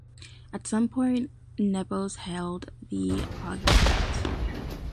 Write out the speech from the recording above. At some point Nepos held the augurate.